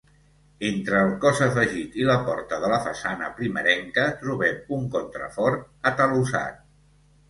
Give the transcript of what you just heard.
Entre el cos afegit i la porta de la façana primerenca trobem un contrafort atalussat.